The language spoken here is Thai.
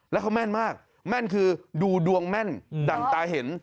แล้วเขาแม่นมากแม่นคือดูดวงแม่นดั่งตาเห็น